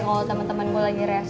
kalau temen temen gue lagi reaksi